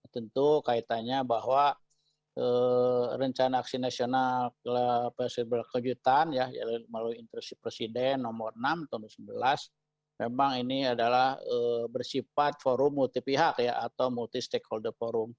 tentu kaitannya bahwa rencana aksi nasional kelapa sawit berkelanjutan yang melalui intresi presiden nomor enam tahun dua ribu sembilan belas memang ini adalah bersifat forum multipihak atau multi stakeholder forum